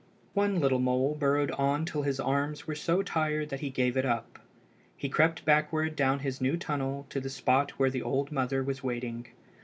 One little mole burrowed on till his arms were so tired that he gave it up. He crept backward down his new tunnel to the spot where the old mother was waiting.